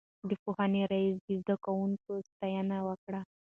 د پوهنې رئيس د زده کوونکو ستاينه وکړه.